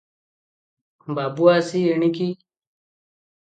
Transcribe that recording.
ବାବୁ, ଆସି ଏଣିକି ।"